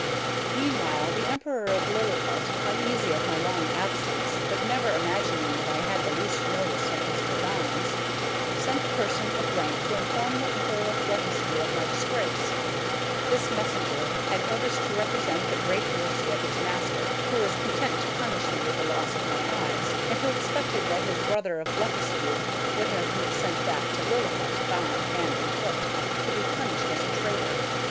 Meanwhile the Emperor of Lilliput, uneasy at my long absence (but never imagining that I had the least notice of his designs), sent a person of rank to inform the Emperor of Blefuscu of my disgrace; this messenger had orders to represent the great mercy of his master, who was content to punish me with the loss of my eyes, and who expected that his brother of Blefuscu would have me sent back to Lilliput, bound hand and foot, to be punished as a traitor.